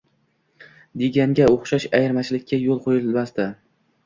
— deganga o'xshash ayirmachiliklarga yo'l qo'yilmasdi.